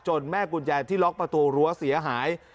แม่กุญแจที่ล็อกประตูรั้วเสียหาย